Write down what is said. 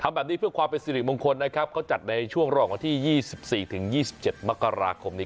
ทำแบบนี้เพื่อความเป็นสิทธิ์มงคลนะครับเขาจัดในช่วงรอบที่ยี่สิบสี่ถึงยี่สิบเจ็ดมกราคมนี้